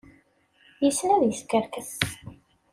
Yessen ad iskerkes.